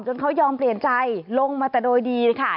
เขายอมเปลี่ยนใจลงมาแต่โดยดีค่ะ